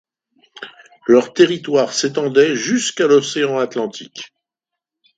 Leurs territoires s'étendaient jusqu'à l'Océan Atlantique.